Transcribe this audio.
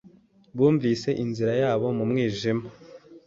Bumvise inzira yabo mu mwijima.